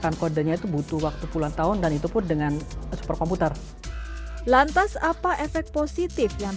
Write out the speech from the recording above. dengan mencari suatu artikel dari mana kau bisa mengeluarkan ilang online missed call